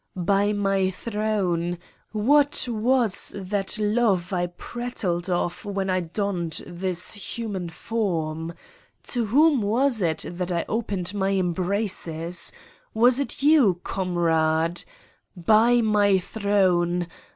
By my throne, what was that love I prattled of when I donned this human form? To whom was it that I opened my embraces? Was it you ... comrade? By my throne!